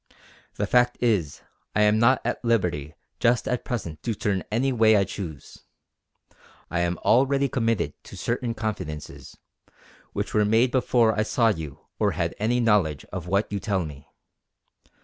The fact is I am not at liberty just at present to turn any way I choose. I am already committed to certain confidences, which were made before I saw you or had any knowledge of what you tell me.